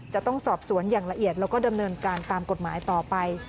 จะต้องสอบสวนอย่างละเอียดแล้วก็ดำเนินการตามกฎหมายต่อไป